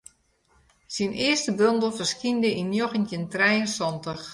Syn earste bondel ferskynde yn njoggentjin trije en santich.